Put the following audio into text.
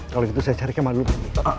kalau gitu saya cari kemal dulu